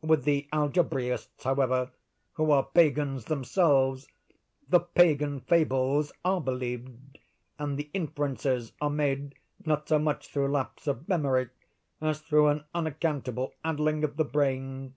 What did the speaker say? With the algebraists, however, who are Pagans themselves, the 'Pagan fables' are believed, and the inferences are made, not so much through lapse of memory, as through an unaccountable addling of the brains.